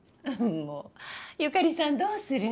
もう由香里さんどうする？